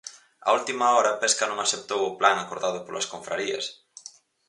A última hora, Pesca non aceptou o plan acordado polas confrarías.